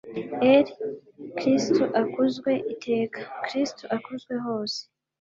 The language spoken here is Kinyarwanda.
r/ kristu akuzwe iteka, kristu akuzwe hose